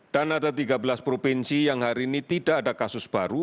dan ada tiga belas provinsi yang hari ini tidak ada kasus baru